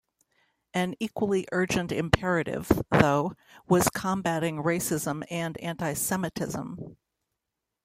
An equally urgent imperative, though, was combating racism and anti-Semitism.